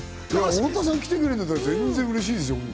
太田さん来てくれるんだったら全然嬉しいですよ。